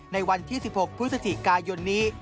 ในวันที่๑๖พฤศจิกายนนี้